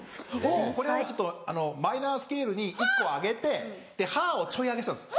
これをマイナースケールに１個上げて「ハー」をちょい上げしたんです。